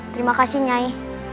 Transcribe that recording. terima kasih nyai